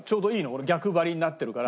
俺逆張りになってるから。